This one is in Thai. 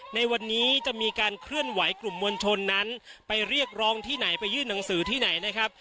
ในวันนี้จะมีการเคลื่อนไหวกลุ่มมวลชนนั้นไปเรียกร้องที่ไหนไปยื่นหนังสือที่ไหนนะครับ